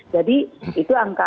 jadi itu angka